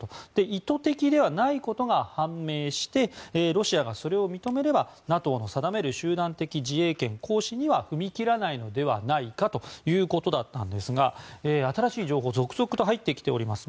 意図的ではないことが判明してロシアがそれを認めればＮＡＴＯの定める集団的自衛権行使には踏み切らないのではないかということだったんですが新しい情報続々と入ってきております。